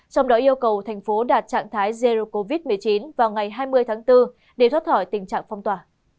trong đó yêu cầu thành phố đạt trạng thái zero covid một mươi chín vào ngày hai mươi tháng bốn để thoát khỏi tình trạng phong tỏa